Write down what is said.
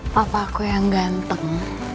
papaku yang ganteng